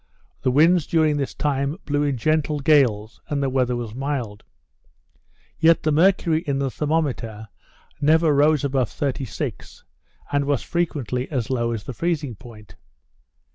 The winds during this time blew in gentle gales, and the weather was mild. Yet the mercury in the thermometer never rose above 36; and was frequently as low as the freezing point.